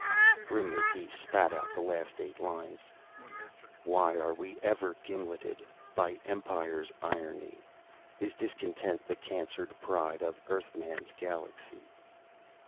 _" Grimly, he spat out the last eight lines. "_Why are we ever gimleted By empire's irony? Is discontent the cancered price Of Earthman's galaxy?